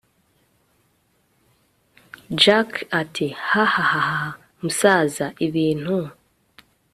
jack ati hahahahaha msaza ibintu